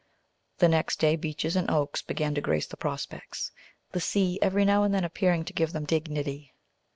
The next day beeches and oaks began to grace the prospects, the sea every now and then appearing to give them dignity.